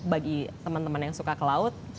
bagi teman teman yang suka ke laut